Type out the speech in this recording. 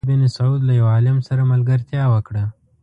محمد بن سعود له یو عالم سره ملګرتیا وکړه.